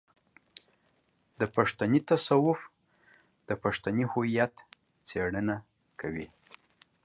د پښتني تصوف د پښتني هويت څېړنه کوي.